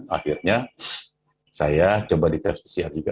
akhirnya saya coba di tes pcr juga